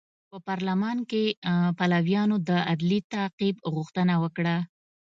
په پارلمان کې پلویانو د عدلي تعقیب غوښتنه وکړه.